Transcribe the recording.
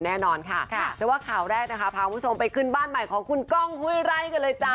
แน่นอนค่ะแต่ว่าข่าวแรกนะคะพาคุณผู้ชมไปขึ้นบ้านใหม่ของคุณก้องห้วยไร่กันเลยจ้า